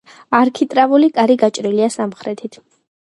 არქიტრავული კარი გაჭრილია სამხრეთით.